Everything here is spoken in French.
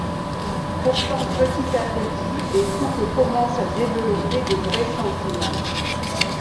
Pourtant, petit à petit, les couples commencent à développer de vrais sentiments.